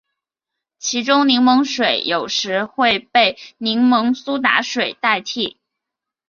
其中柠檬水有时会被柠檬苏打水代替。